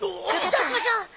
そうしましょう！